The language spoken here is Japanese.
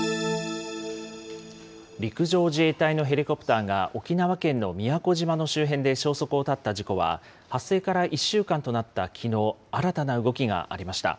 陸上自衛隊のヘリコプターが沖縄県の宮古島の周辺で消息を絶った事故は、発生から１週間となったきのう、新たな動きがありました。